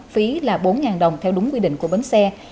phí là bốn đồng theo đúng quy định của bến xe